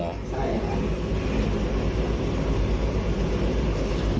ใช่ครับ